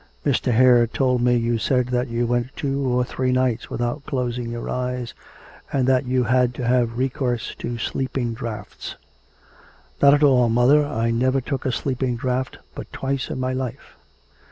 Mr. Hare told me you said that you went two or three nights without closing your eyes, and that you had to have recourse to sleeping draughts.' 'Not at all, mother, I never took a sleeping draught but twice in my life.'